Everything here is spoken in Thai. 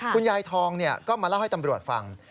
คุณยายทองก็มาเล่าให้ตำรวจฟัง